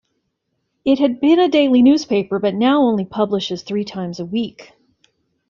It had been a daily newspaper but now only publishes three times a week.